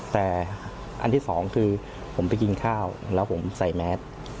แต่อันที่สองคือผมไปกินข้าวแล้วผมใส่แมส